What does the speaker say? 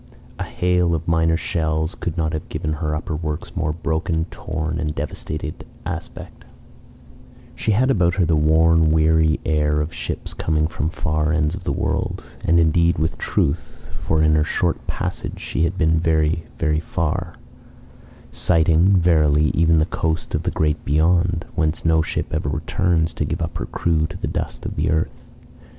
A hail of minor shells could not have given her upper works a more broken, torn, and devastated aspect: and she had about her the worn, weary air of ships coming from the far ends of the world and indeed with truth, for in her short passage she had been very far; sighting, verily, even the coast of the Great Beyond, whence no ship ever returns to give up her crew to the dust of the earth.